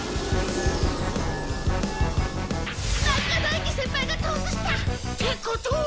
中在家先輩がトスした！ってことは。